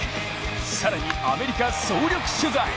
更にアメリカ総力取材。